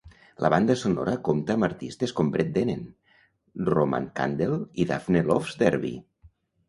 La banda sonora compta amb artistes com Brett Dennen, Roman Candle i Daphne Loves Derby.